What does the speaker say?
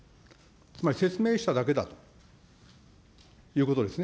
つまり説明しただけだということですね。